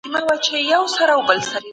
د پرمختګ کاروان روان دی.